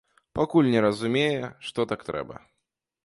Пакуль не разумее, што так трэба.